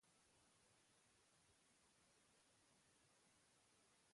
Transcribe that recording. Ostiralean, aldaketa handirik ez.